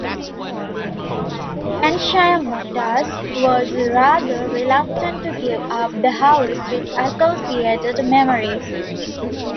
Ghanshyamdas was rather reluctant to give up the house with associated memories.